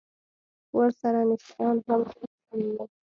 ورسره نشه يان هم زيات سوي وو.